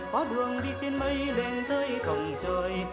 có đường đi trên mây lên tới còng trời